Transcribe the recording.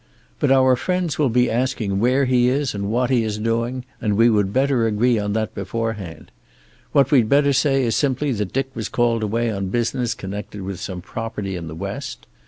But our friends will be asking where he is and what he is doing, and we would better agree on that beforehand. What we'd better say is simply that Dick was called away on business connected with some property in the West.